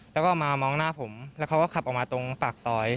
แล้วก็มามองหน้าผมแล้วเขาก็ขับออกมาตรงปากซอย